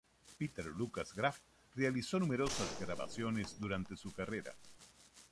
Peter-Lukas Graf realizó numerosas grabaciones durante su carrera.